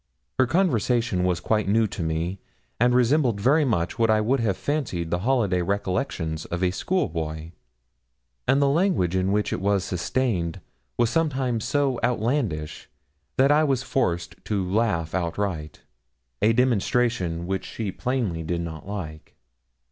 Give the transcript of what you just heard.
Her conversation was quite new to me, and resembled very much what I would have fancied the holiday recollections of a schoolboy; and the language in which it was sustained was sometimes so outlandish, that I was forced to laugh outright a demonstration which she plainly did not like.